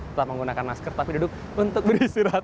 tetap menggunakan masker tapi duduk untuk beristirahat